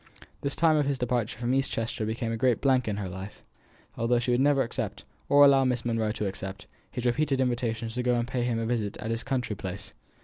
The time of his departure from East Chester became a great blank in her life, although she would never accept, or allow Miss Monro to accept, his repeated invitations to go and pay him a visit at his country place.